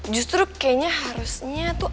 justru kayaknya harusnya tuh